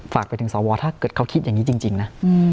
ฝากไปถึงสวถ้าเกิดเขาคิดอย่างนี้จริงนะ